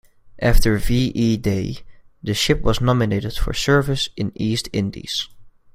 After V-E Day the ship was nominated for service in East Indies.